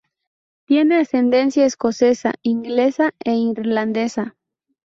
Tiene ascendencia escocesa, inglesa e irlandesa.